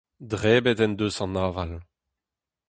Debret en deus an aval :